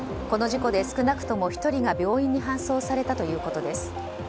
この事故で少なくとも１人が病院に搬送されたということです。